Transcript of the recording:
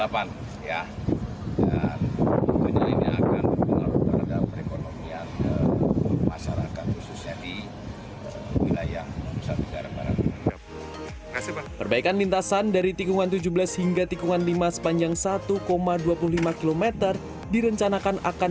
perbaikan lintasan dari tikungan tujuh belas hingga tikungan lima sepanjang satu dua puluh lima km direncanakan akan